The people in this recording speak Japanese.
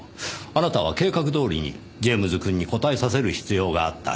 あなたは計画どおりにジェームズくんに答えさせる必要があった。